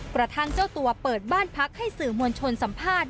กระทั่งเจ้าตัวเปิดบ้านพักให้สื่อมวลชนสัมภาษณ์